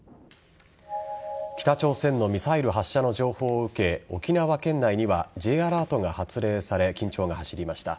北朝鮮のミサイル発射の情報を受け沖縄県内にはＪアラートが発令され緊張が走りました。